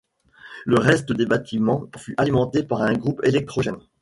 Le reste des bâtiments fut alimenté par un groupe électrogène.